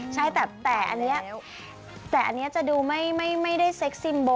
ใช่แต่อันนี้แต่อันนี้จะดูไม่ได้เซ็กซิมโบ